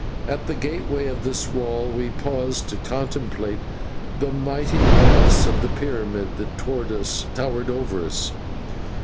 At the gateway of this wall we paused to contemplate the mighty mass of the pyramid that towered above us.